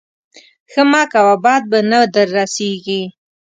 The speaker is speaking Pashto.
ښه مه کوه بد به نه در رسېږي.